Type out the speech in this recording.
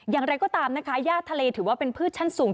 อย่างไรก็ตามนะคะย่าทะเลถือว่าเป็นพืชชั้นสูง